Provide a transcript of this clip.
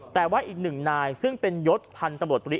แต่ว่าอีกหนึ่งนายซึ่งเป็นยศพันธุ์ตำรวจตรี